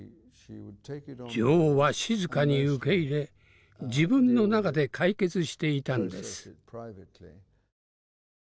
女王は静かに受け入れ自分の中で解決していたんです。